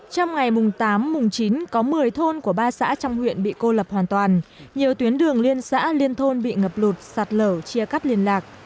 trong ngày mùng tám chín có một mươi thôn của ba xã trong huyện bị cô lập hoàn toàn nhiều tuyến đường liên xã liên thôn bị ngập lụt sạt lở chia cắt liên lạc